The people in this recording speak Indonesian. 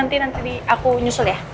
nanti aku nyusul ya